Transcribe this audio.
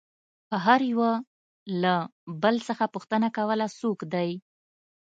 هر يوه له بل څخه پوښتنه کوله څوک دى.